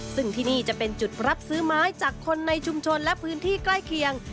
ซึ่งที่นี่จะเป็นจุดรับซื้อไม้จากคนในชุมชนและพื้นที่ใกล้เคียง